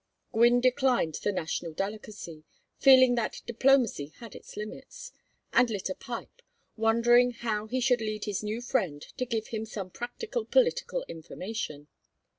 Gwynne declined the national delicacy, feeling that diplomacy had its limits, and lit a pipe, wondering how he should lead his new friend to give him some practical political information.